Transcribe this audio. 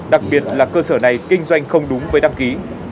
đặc biệt là cơ sở này kinh doanh không đúng với đăng ký